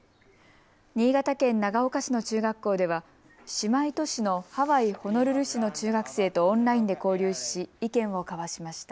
新潟県長岡市の中学校では姉妹都市のハワイ・ホノルル市の中学生とオンラインで交流し意見を交わしました。